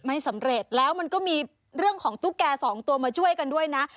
ไม่สำเร็จแล้วมันก็มีเรื่องของตุ๊กแก่สองตัวมาช่วยกันด้วยนะ